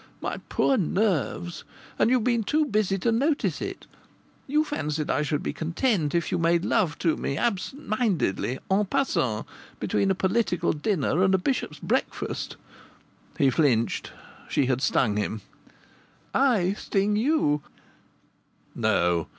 My poor nerves! And you've been too busy to notice it. You fancied I should be content if you made love to me absent mindedly, en passant, between a political dinner and a bishop's breakfast." He flinched. She had stung him. "I sting you " No!